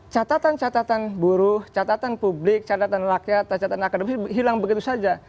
catatan catatan buruh catatan publik catatan rakyat catatan akademis hilang begitu saja